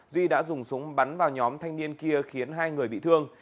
duy đã dùng súng bắn vào nhóm thanh niên kia khiến hai người bị thương